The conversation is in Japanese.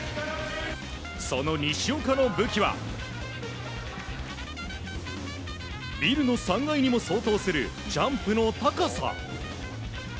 その西岡の武器はビルの３階にも相当するジャンプの高さ。